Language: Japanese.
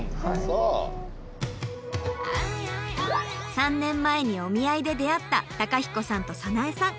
３年前にお見合いで出会った公彦さんと早苗さん。